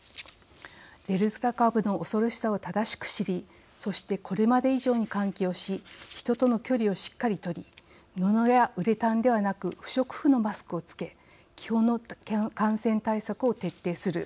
デルタ株の恐ろしさを正しく知りそして、これまで以上に換気をし人との距離をしっかり取り布やウレタンではなく不織布のマスクを着け基本の感染対策を徹底する。